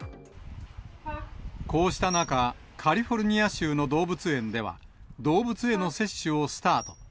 こうした中、カリフォルニア州の動物園では、動物への接種をスタート。